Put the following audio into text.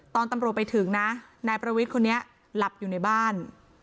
ตอนตำรวจไปถึงนะนายประวิทย์คนนี้หลับอยู่ในบ้าน